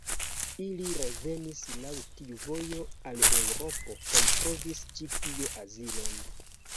Ili revenis laŭ tiu vojo al Eŭropo kaj trovis ĉi tie azilon.